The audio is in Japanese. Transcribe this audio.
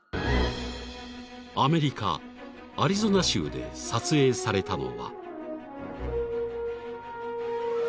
［アメリカアリゾナ州で撮影されたのは］